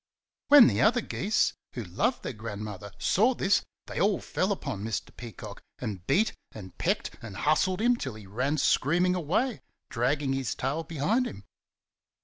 When the other geese, who loved their grandmother, saw this, they all fell upon Mr. Peacock and beat and pecked and hustled him till he ran screaming away, dragging his tail behind him.